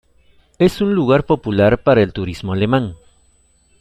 Es un lugar popular para el turismo alemán.